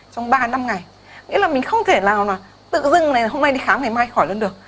trong ba năm ngày nghĩa là mình không thể nào là tự dưng này hôm nay đi khám ngày mai khỏi luôn được